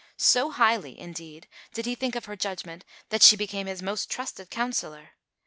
So highly, indeed, did he think of her judgment that she became his most trusted counsellor.